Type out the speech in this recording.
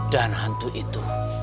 dan hantu itu